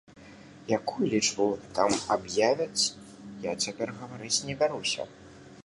Якую лічбу там аб'явяць, я цяпер гаварыць не бяруся.